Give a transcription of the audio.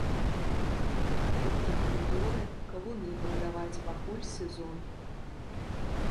Агуркі-памідоры, кавуны прадаваць, пакуль сезон.